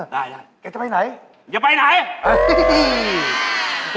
แบบนี้เลยนะ